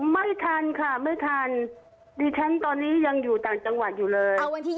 ไม่ทันค่ะไม่ทันดิฉันตอนนี้ยังอยู่ต่างจังหวัดอยู่เลย